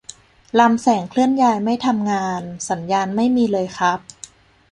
ลำแสงเคลื่อนย้ายไม่ทำงาน สัญญาณไม่มีเลยครับ